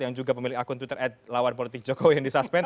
yang juga pemilik akun twitter at lawan politik jokowi yang disuspend